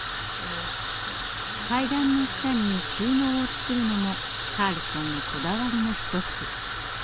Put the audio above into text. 階段の下に収納を作るのもカールさんのこだわりの一つ。